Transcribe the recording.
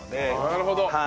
なるほど。